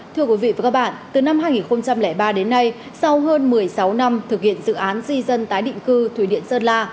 thưa quý vị và các bạn từ năm hai nghìn ba đến nay sau hơn một mươi sáu năm thực hiện dự án di dân tái định cư thủy điện sơn la